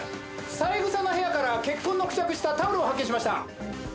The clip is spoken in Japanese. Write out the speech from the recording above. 三枝の部屋から血痕の付着したタオルを発見しました。